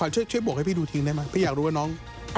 ช่วยบวกให้พี่ดูทีมได้ไหมพี่อยากรู้ว่าน้อง